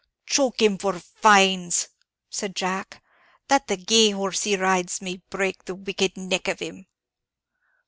"Choke him for fines!" said Jack; "that the gay horse he rides might break the wicked neck of him!"